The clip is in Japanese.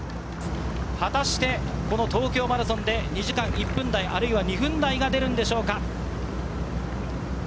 果たして、この東京マラソンで２時間１分台あるいは２分台が出るんでしょうか。